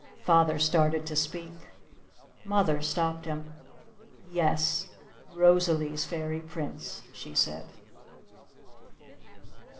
Father started to speak. Mother stopped him. "Yes! Rosalee's Fairy Prince!" she said.